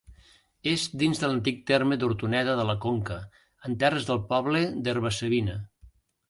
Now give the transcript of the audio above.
És dins de l'antic terme d'Hortoneda de la Conca, en terres del poble d'Herba-savina.